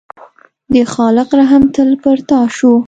د خالق رحم تل پر تا شو.